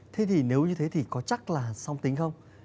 thế thì nếu như thế thì có chắc là song tính không